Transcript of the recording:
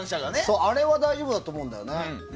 あれは大丈夫だと思うんだよね。